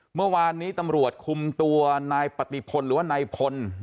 เมื่อวานนี้ตำรวจคุมตัวนายปฏิพลหรือว่านายพล